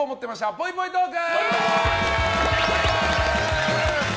ぽいぽいトーク。